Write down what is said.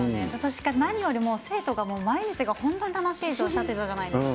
確かに何よりも、生徒が毎日が本当に楽しいとおっしゃっていたじゃないですか。